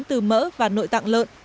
từ mỡ và nội tạng lợn